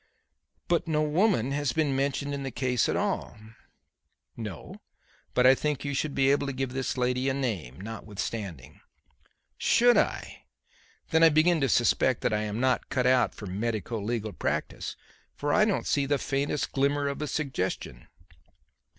"But no woman has been mentioned in the case at all." "No; but I think you should be able to give this lady a name, notwithstanding." "Should I? Then I begin to suspect that I am not cut out for medico legal practice, for I don't see the faintest glimmer of a suggestion."